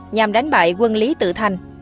nhằm đánh bại quân lý tự thành